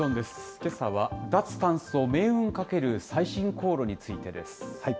けさは、脱炭素命運かける最新高炉についてです。